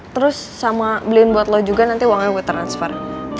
terus sama beliin buat lo juga nanti uangnya buat transfer